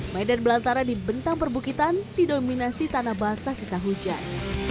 medan belantara di bentang perbukitan didominasi tanah basah sisa hujan